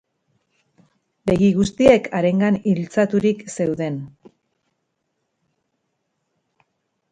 Begi guztiek harengan iltzaturik zeuden.